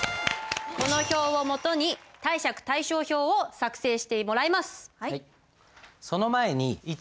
この表をもとに貸借対照表を作成してもらいます。